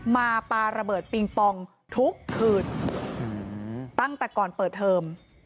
ปลาระเบิดปิงปองทุกคืนตั้งแต่ก่อนเปิดเทอม